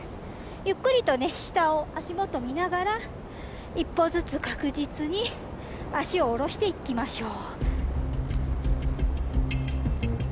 ゆっくりとね下を足元見ながら一歩ずつ確実に足を下ろしていきましょう。